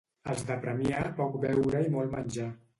Els de Premià poc beure i molt menjar